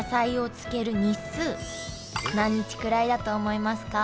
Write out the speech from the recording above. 何日くらいだと思いますか？